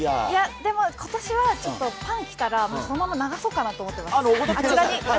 でも、今年はパン来たら、そのまま流そうかと思っています。